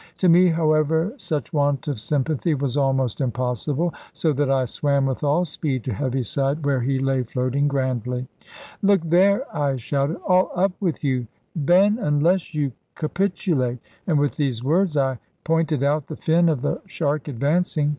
To me, however, such want of sympathy was almost impossible, so that I swam with all speed to Heaviside, where he lay floating grandly. "Look there!" I shouted; "all up with you, Ben, unless you capitulate." And with these words, I pointed out the fin of the shark advancing.